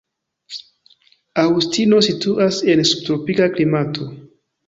Aŭstino situas en subtropika klimato.